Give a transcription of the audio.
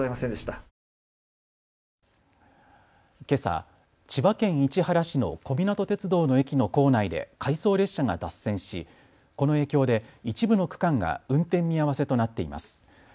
けさ、千葉県市原市の小湊鐵道の駅の構内で回送列車が脱線しこの影響で一部の区間が運転見合わせとなっています。